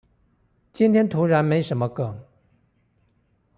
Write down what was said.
今天突然沒什麼梗